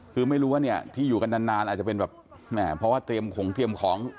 คือไม่รู้ว่าเนี่ยที่อยู่กันนานอาจจะเป็นแบบแหมเพราะว่าเตรียมของเตรียมของ